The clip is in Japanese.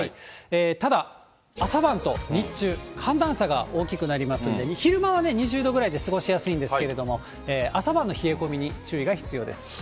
ただ、朝晩と日中、寒暖差が大きくなりますんで、昼間はね、２０度ぐらいで過ごしやすいんですけれども、朝晩の冷え込みに注意が必要です。